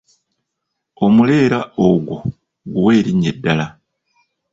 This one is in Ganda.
Omuleera ogwo guwe erinnya eddala?